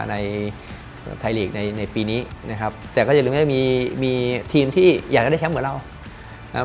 ในไทยหลีกในปีนี้แต่อย่าลืมมีทีมที่อยากได้แชมป์เหมือนเรา